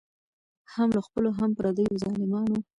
هم له خپلو هم پردیو ظالمانو